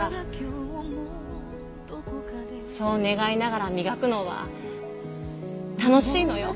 そう願いながら磨くのは楽しいのよ。